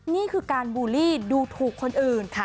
นี่คือการบูลลี่ดูถูกคนอื่น